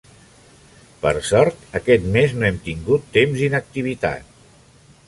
Per sort, aquest mes no hem tingut temps d'inactivitat.